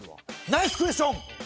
ナイスクエスチョン！